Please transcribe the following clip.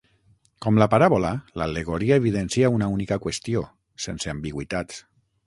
Com la paràbola, l'al·legoria evidencia una única qüestió, sense ambigüitats.